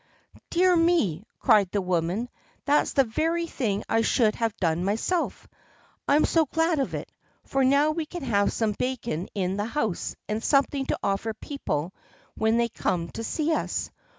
"Dear me!" cried the woman, "that's the very thing I should have done myself. I'm so glad of that, for now we can have some bacon in the house and something to offer people when they come to see us.